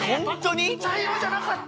茶色じゃなかった。